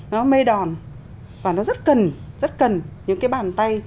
nó mê đòn và nó rất cần rất cần những cái bàn tay